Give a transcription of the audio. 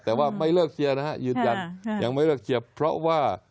แต่ว่าไม่เลิกเชียร์นะฮะยืนยันยังไม่เลิกเชียร์เพราะว่า